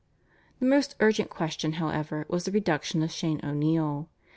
The most urgent question, however, was the reduction of Shane O'Neill.